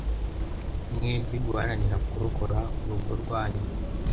mwembi guharanira kurokora urugo rwanyu